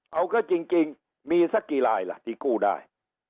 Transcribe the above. เอาก็จริงมีสักกี่ลายล่ะที่กู้ได้